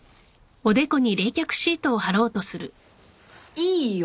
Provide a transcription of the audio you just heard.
いいよ。